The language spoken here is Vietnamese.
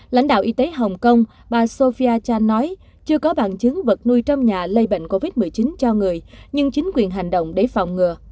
lãnh đạo y tế hồng kông bà sofia cha nói chưa có bằng chứng vật nuôi trong nhà lây bệnh covid một mươi chín cho người nhưng chính quyền hành động để phòng ngừa